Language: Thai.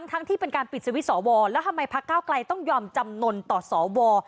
ทั้งที่เป็นการปิดสวิตชอวรแล้วทำไมพักเก้าไกลต้องยอมจำนวนต่อสว